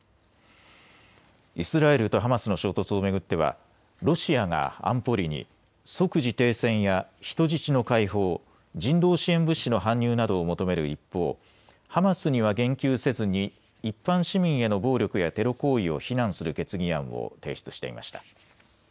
イスラエルとハマスの衝突を巡ってはロシアが安保理に即時停戦や人質の解放、人道支援物資の搬入などを求める一方、ハマスには言及せずに一般市民への暴力やテロ行為を非難する決議案を提出していました。